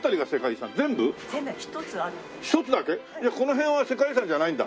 じゃあこの辺は世界遺産じゃないんだ。